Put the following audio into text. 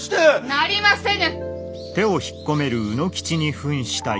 なりませぬ！